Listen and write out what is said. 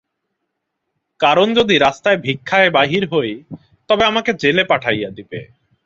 কারণ যদি রাস্তায় ভিক্ষায় বাহির হই, তবে আমাকে জেলে পাঠাইয়া দিবে।